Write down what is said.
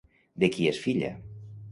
De qui és filla?